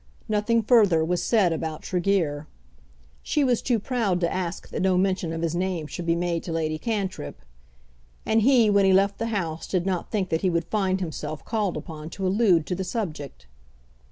Nothing further was said about Tregear. She was too proud to ask that no mention of his name should be made to Lady Cantrip. And he when he left the house did not think that he would find himself called upon to allude to the subject.